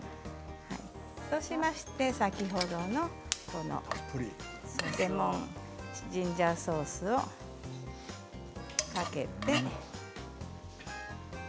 そして先ほどのレモンジンジャーソースをかけて。